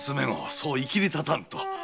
そういきり立たんと。